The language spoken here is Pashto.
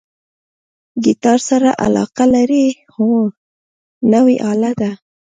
ګیتار سره علاقه لرئ؟ هو، نوی آله ده